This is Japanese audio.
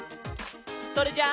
それじゃあ。